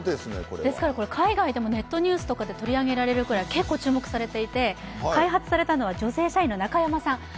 ですから、海外でもネットニュースで取り上げられるくらい結構、注目されていて開発されたのは女性社員の中山さん。